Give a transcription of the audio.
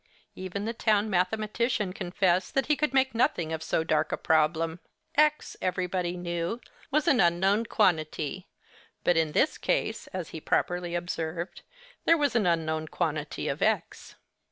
Even the town mathematician confessed that he could make nothing of so dark a problem. X, everybody knew, was an unknown quantity; but in this case (as he properly observed), there was an unknown quantity of X.